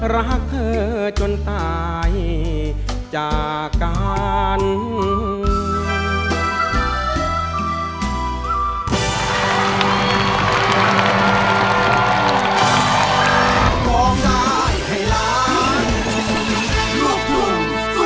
รักเธอจนตายจากการ